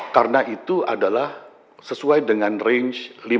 karena itu adalah sesuai dengan range